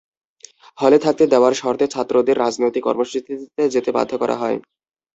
হলে থাকতে দেওয়ার শর্তে ছাত্রদের রাজনৈতিক কর্মসূচিতে যেতে বাধ্য করা হয়।